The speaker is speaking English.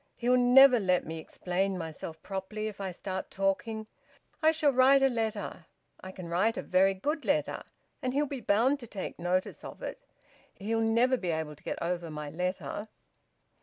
"He'll never let me explain myself properly if I start talking. I shall write a letter. I can write a very good letter, and he'll be bound to take notice of it. He'll never be able to get over my letter."